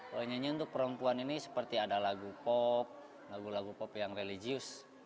kalau nyanyi untuk perempuan ini seperti ada lagu pop lagu lagu pop yang religius